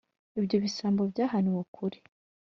ibyo bisambo byahaniwe ukuri